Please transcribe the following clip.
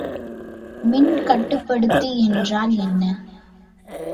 மின்கட்டுப்படுத்தி என்றால் என்ன?